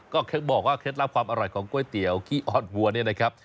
ก็บอกว่าเคล็ดลับความอร่อยของก๋วยเตี๋ยวขี้อ้อนวัวเนี่ยนะครับ